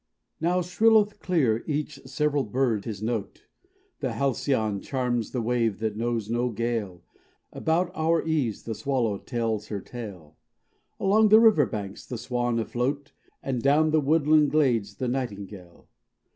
Now, shrilleth clear each several bird his note, The Halcyon charms the wave that knows no gale, About our eaves the swallow tells her tale, Along the river banks the swan, afloat, And down the woodland glades the nightingale.